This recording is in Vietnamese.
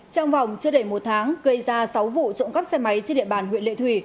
trong vòng chưa đầy một tháng gây ra sáu vụ trộm cắp xe máy trên địa bàn huyện lệ thủy